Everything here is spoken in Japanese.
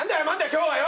今日はよ！